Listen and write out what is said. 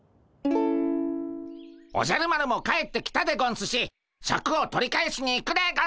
おじゃる丸も帰ってきたでゴンスしシャクを取り返しに行くでゴンス！